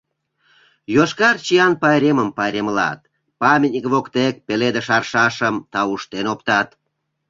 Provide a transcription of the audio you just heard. Йошкар чиян пайремым пайремлат, памятник воктек пеледыш аршашым тауштен оптат...